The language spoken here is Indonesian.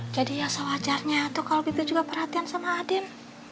jadi ya sewajarnya tuh kalau bebe juga perhatian sama aden